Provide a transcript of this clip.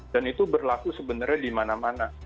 dan itu berlaku sebenarnya dimana mana